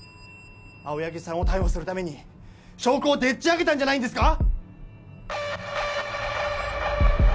青柳さんを逮捕するために証拠をでっちあげたんじゃないんですか！？